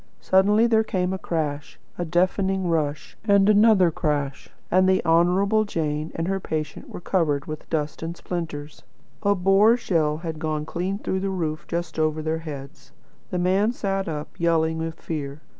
Suddenly there came a crash a deafening rush and another crash, and the Honourable Jane and her patient were covered with dust and splinters. A Boer shell had gone clean through the roof just over their heads. The man sat up, yelling with fear.